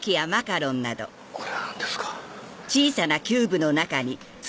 これは何ですか？